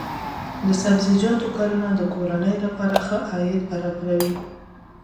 د سبزیجاتو کرنه د کورنۍ لپاره ښه عاید برابروي.